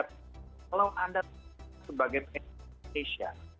kalau anda sebagai psa